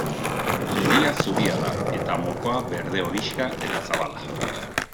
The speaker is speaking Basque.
Begia zuria da eta mokoa berde-horixka eta zabala.